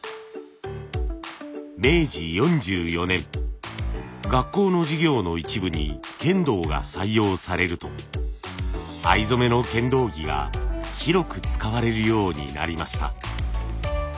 明治４４年学校の授業の一部に剣道が採用されると藍染めの剣道着が広く使われるようになりました。